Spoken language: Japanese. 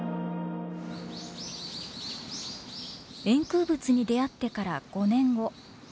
円空仏に出会ってから５年後。